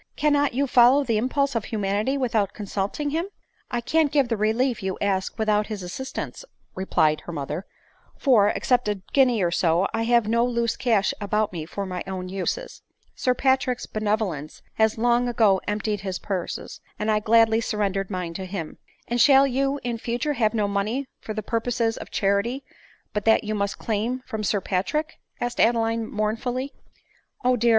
cannot you follow the impulse of humanity without consulting him ?"/^ 68 ADELINE MOWBRAY. " I can't give the relief you ask without his assistance," replied her mother ;" for, except a guinea or so, I have no loose cash about me for my own uses. Sir Patrick's^ benevolence has long ago emptied his purse, and I gladly surrendered mine to him." " And shall you in future have no money for the pur poses of charity but that you must claim from Sir Pat rick ?" asked Adeline mournfully. " O dear